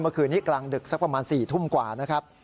เมื่อคืนนี้กลางดึกสักประมาณ๔ทุ่มกว่านะครับ